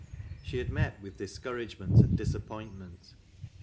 She had met with discouragement and disap pointraent.